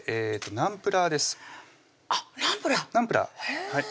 ナンプラーへぇ